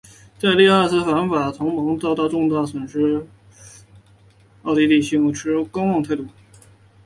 在第二次反法同盟战争中遭受重大损失的奥地利帝国起初持观望态度。